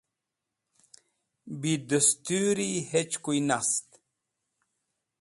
Bi destũri hechkuy nast.